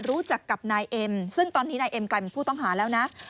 รู้จักกับนายเอ็มซึ่งตอนนี้นายเอ็มกลายเป็นผู้ต้องหาแล้วนะ